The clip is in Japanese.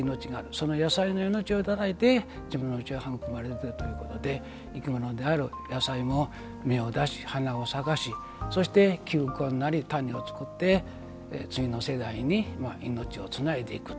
その野菜の命をいただいて自分の命が育まれているということで生き物である、野菜も芽を出し、花を咲かしそして、球根になり種を作って、次の世代に命をつないでいく。